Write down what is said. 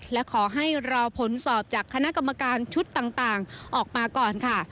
และขอให้รอผลสอบจากคณะกรรมการชุดต่างออกมาก่อนค่ะ